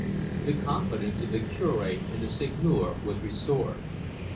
The confidence of the Cure and the Seigneur was restored.